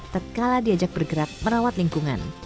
tetkala diajak bergerak merawat lingkungan